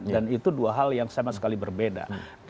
dan itu dua hal yang sama sekali berbeda